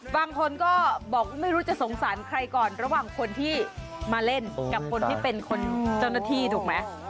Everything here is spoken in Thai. บางคนก็บอกไม่รู้จะสงสารใครก่อนระหว่างคนที่มาเล่นกับคนที่เป็นคนเจ้าหน้าที่ถูกไหม